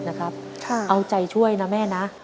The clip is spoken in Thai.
แบบช่วยดูเสลจคือทำทุกอย่างที่ให้น้องอยู่กับแม่ได้นานที่สุด